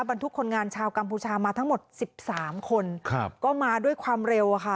บรรทุกคนงานชาวกัมพูชามาทั้งหมดสิบสามคนครับก็มาด้วยความเร็วอะค่ะ